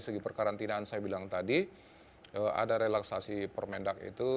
segi perkarantinaan saya bilang tadi ada relaksasi permendak itu